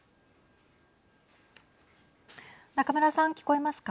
中村さん聞こえますか。